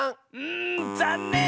んざんねん！